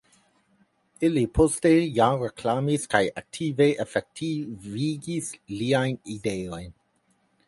Ili poste ja reklamis kaj aktive efektivigis liajn ideojn.